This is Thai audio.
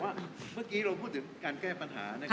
เมื่อกี้เราพูดถึงการแก้ปัญหา